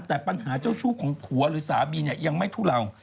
แต่ปัญหาเจ้าชู้ของผัวหรือสามีเนี่ยยังไม่ทุเลา